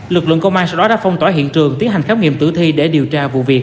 lực lượng công an sau đó đã phong tỏa hiện trường tiến hành khám nghiệm tử thi để điều tra vụ việc